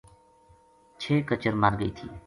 چھ کچر مر گئی تھی